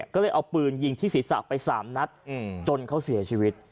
ก็เลยเอาปืนยิงที่ศีรษะไป๓นัดจนเขาเสียชีวิต